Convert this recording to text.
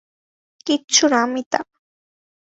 কিচ্ছু না মিতা।